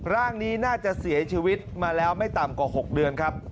ร่างนี้น่าจะเสียชีวิตมาแล้วไม่ต่ำกว่า๖เดือนครับ